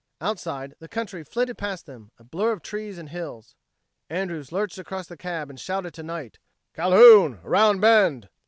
Outside, the country flitted past them, a blur of trees and hills. Andrews lurched across the cab and shouted to Knight: "Calhoun around bend!"